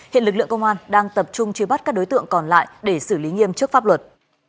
hiện lực lượng công an đang tập trung truy bắt các đối tượng còn lại để xử lý nghiêm trước pháp luật